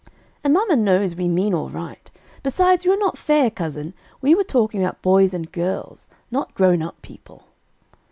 "And mamma knows we mean all right. Besides, you are not fair, cousin; we were talking about boys and girls not grown up people."